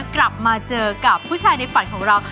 กลับมาเจอกับผู้ชายในฝันของเรา